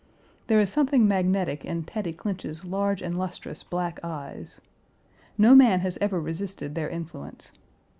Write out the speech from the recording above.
There is something magnetic in Tatty Clinch's large and lustrous black eyes. No man has ever resisted their influence.